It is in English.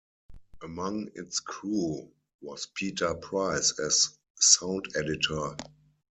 Among its crew was Peter Price as sound editor.